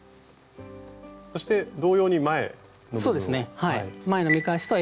そして同様に前の部分を。